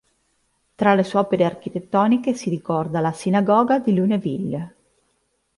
Tra le sue opere architettoniche si ricorda la Sinagoga di Lunéville.